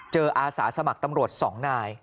อาสาสมัครตำรวจ๒นาย